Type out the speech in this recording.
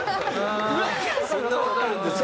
そんなわかるんですか。